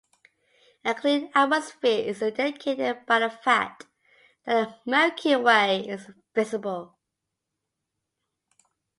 A clean atmosphere is indicated by the fact that the Milky Way is visible.